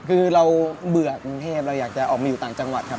คือเราเบื่อกรุงเทพเราอยากจะออกมาอยู่ต่างจังหวัดครับ